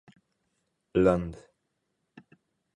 Lund.